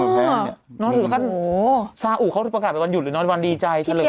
เมื่อคืนทุกคนแบบตกใจเลยอะใช่ไง